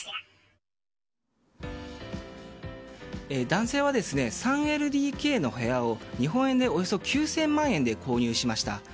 男性は３ＬＤＫの部屋を日本円で、およそ９０００万円で購入しました。